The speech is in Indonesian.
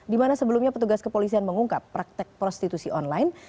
di mana sebelumnya petugas kepolisian mengungkap praktek prostitusi online